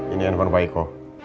ini handphone pak iko